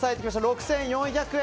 ６４００円。